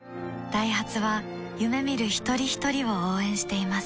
ダイハツは夢見る一人ひとりを応援しています